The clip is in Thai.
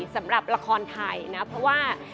สำหรับละครไทยนะเพราะว่า